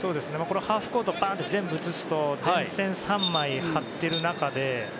ハーフコート全部、映すと前線３枚、張っている中で。